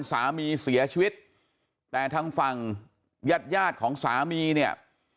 สามีเสียชีวิตแต่ทางฝั่งญาติญาติของสามีเนี่ย